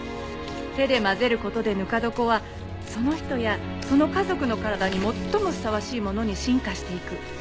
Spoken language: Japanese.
手で混ぜる事でぬか床はその人やその家族の体に最もふさわしいものに進化していく。